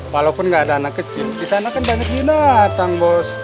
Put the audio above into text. walaupun nggak ada anak kecil di sana kan banyak binatang bos